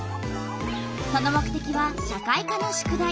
その目てきは社会科の宿題。